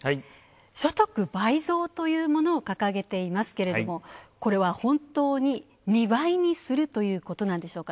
所得倍増というものを掲げていますけれどもこれは本当に２倍にするということなんでしょうか？